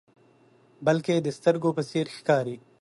بلکې د سترګو په څیر ښکاري.